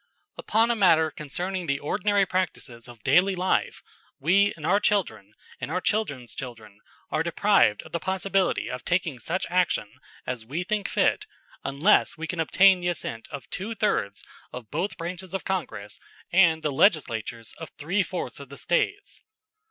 Upon a matter concerning the ordinary practices of daily life, we and our children and our children's children are deprived of the possibility of taking such action as we think fit unless we can obtain the assent of twothirds of both branches of Congress and the Legislatures of three fourths of the States.